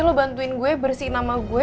lu bantuin gue bersihin nama gue